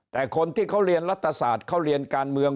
แต่คนที่เขาเรียนรัฐศาสตร์เขาเรียนการเมือง